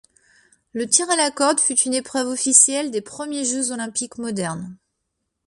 Le tir à la corde fut une épreuve officielle des premiers jeux olympiques modernes.